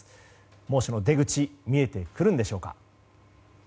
猛暑の出口見えてくるんでしょうか。